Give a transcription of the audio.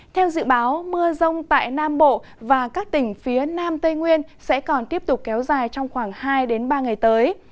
theo dự báo mưa rông tại nam bộ và các tỉnh phía nam tây nguyên sẽ còn tiếp tục kéo dài trong khoảng hai ba ngày tới